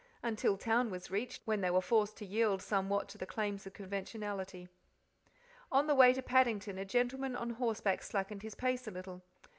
Until town was reached, when they were forced to yield somewhat to the claims of conventionality. On the way to Paddington a gentleman on horseback slackened pace a little.